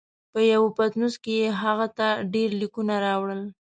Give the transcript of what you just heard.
په یوه پتنوس کې یې هغه ته ډېر لیکونه راوړل.